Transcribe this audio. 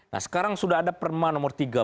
nah sekarang sudah ada permana manfaatnya